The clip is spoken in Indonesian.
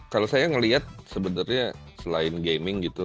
kalau saya melihat sebenarnya selain gaming gitu